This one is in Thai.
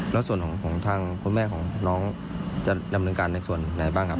แล้วส่วนของทางคุณแม่ของน้องจะดำเนินการในส่วนไหนบ้างครับ